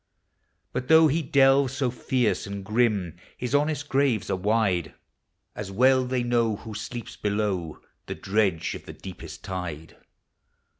But though he delves bo fierce and grim, His honest graves are wide 384 POEMS OF NATURE. As well they know who sleep below The dredge of the deepest tide.